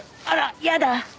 あら嫌だ。